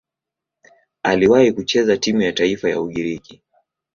Aliwahi kucheza timu ya taifa ya Ugiriki.